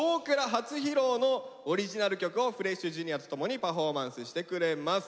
初披露のオリジナル曲をフレッシュＪｒ．とともにパフォーマンスしてくれます。